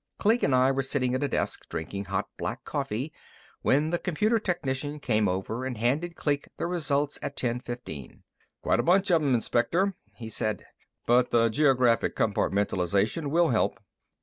Kleek and I were sitting at a desk drinking hot, black coffee when the computer technician came over and handed Kleek the results at ten fifteen. "Quite a bunch of 'em, Inspector," he said, "but the geographic compartmentalization will help."